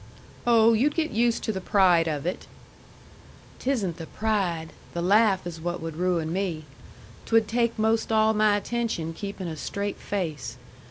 "Oh, you'd get used to the pride of it." "'Tisn't the pride. The laugh is what would ruin me. 'Twould take 'most all my attention keeping a straight face.